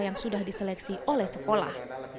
yang sudah diseleksi oleh sekolah